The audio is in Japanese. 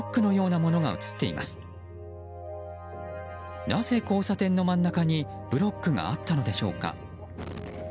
なぜ交差点の真ん中にブロックがあったのでしょうか。